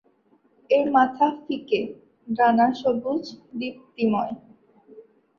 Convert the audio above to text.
এর মাথা ফিকে, ডানা সবুজ দীপ্তিময়।